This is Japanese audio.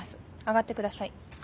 上がってください。